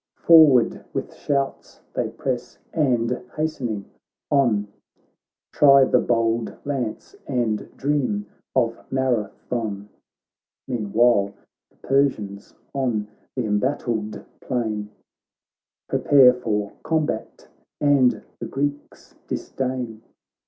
Forward with shouts they press, and hastening on Try the bold lance and dream of Mara thon. Meanwhilethe Persians on th' embattled plain Prepare for combat, and the Greeks dis dain.